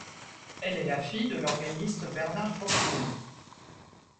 Elle est la fille de l'organiste Bernard Foccroulle.